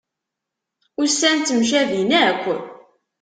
Ussan temcabin akk.